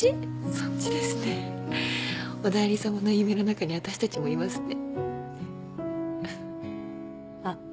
そっちですねおだいり様の夢の中に私たちもいますねあっ